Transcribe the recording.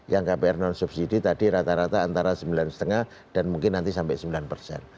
yang kpr non subsidi tadi rata rata antara sembilan lima dan mungkin nanti sampai sembilan persen